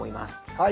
はい。